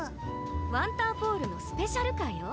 ワンターポールのスペシャルカーよ。